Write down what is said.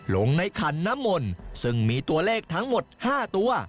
ลงในขันน้ำมนต์ซึ่งมีตัวเลขทั้งหมด๕ตัว